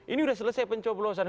ini sudah selesai pencoplosan